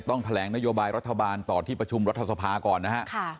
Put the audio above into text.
แถลงนโยบายรัฐบาลต่อที่ประชุมรัฐสภาก่อนนะฮะ